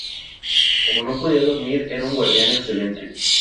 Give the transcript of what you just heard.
Como no podía dormir era un guardián excelente.